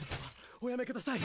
おやめください